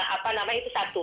apa namanya itu satu